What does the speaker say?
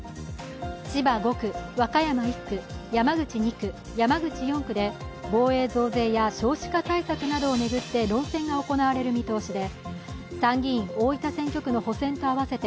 千葉５区、和歌山１区、山口２区、山口４区で防衛増税や少子化対策などを巡って論戦が行われる見通しで参議院大分選挙区の補選と合わせて